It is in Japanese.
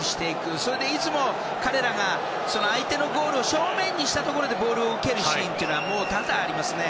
それでいつも彼らが相手のゴールを正面にしたところでボールを受けるシーンというのが多々ありますよね。